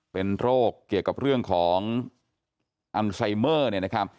เป็นโรคเกี่ยวกับเรื่องของอันไซเมอร์